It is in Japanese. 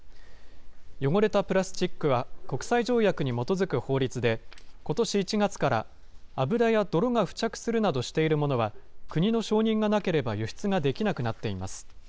汚れたプラスチックは、国際条約に基づく法律で、ことし１月から油や泥が付着するなどしているものは、国の承認がなければ輸出ができなくなっています。